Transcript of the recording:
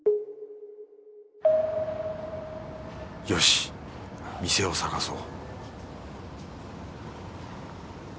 よし店を探そう